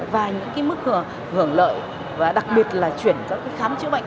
và những mức hưởng lợi và đặc biệt là chuyển các khám chữa bệnh